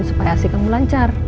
supaya asli kamu lancar